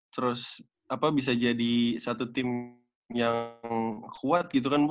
terus bisa jadi satu tim yang kuat gitu kan